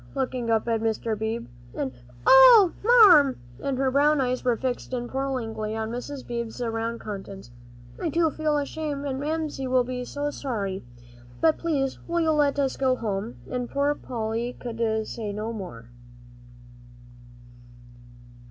looking up at Mr. Beebe, and, "Oh, marm!" and her brown eyes were fixed imploringly on Mrs. Beebe's round countenance, "I do feel so ashamed, and Mamsie will be so sorry. But please will you let us go home?" And poor Polly could say no more.